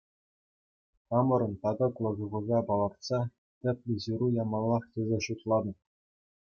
Хамӑрӑн татӑклӑ шухӑша палӑртса тӗплӗ Ҫыру ямаллах тесе шутлатӑп.